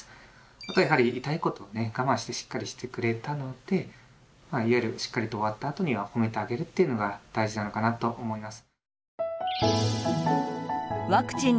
あとやはり痛いことをね我慢してしっかりしてくれたのでいわゆるしっかりと終わったあとには褒めてあげるというのが大事なのかなと思います。